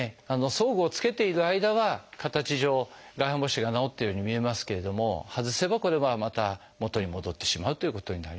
装具を着けている間は形上外反母趾が治ったように見えますけれども外せばこれはまた元に戻ってしまうということになります。